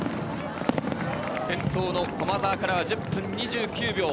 先頭の駒澤からは１０分２９秒。